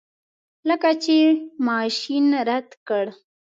لکه چې ماشین رد کړ.